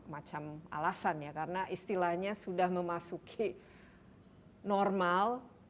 ini adalah semacam alasan ya karena istilahnya sudah memasuki normal